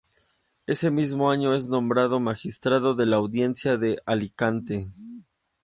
Ese mismo año es nombrado magistrado de la Audiencia de Alicante.